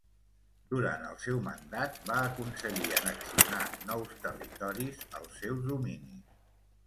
Durant el seu mandat va aconseguir annexionar nous territoris als seus dominis.